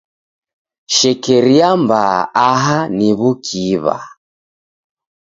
Shekeria mbaa aha ni w'ukiw'a.